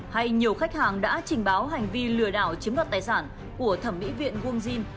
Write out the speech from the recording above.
hay nhiều khách hàng đã trình báo hành vi lừa đảo chiếm đoạt tài sản của thẩm mỹ viện wang jin